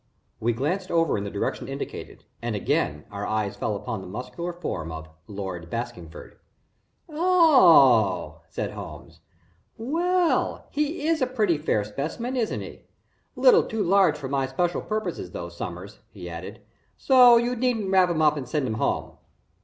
We glanced over in the direction indicated, and again our eyes fell upon the muscular form of "Lord Baskingford." "Oh!" said Holmes. "Well he is a pretty fair specimen, isn't he! Little too large for my special purpose, though, Sommers," he added, "so you needn't wrap him up and send him home."